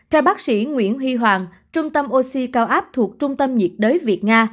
theo bác sĩ nguyễn huy hoàng trung tâm oxy cao áp thuộc trung tâm nhiệt đới việt nga